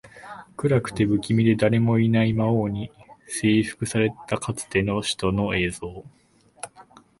暗くて、不気味で、誰もいない魔王に征服されたかつての首都の映像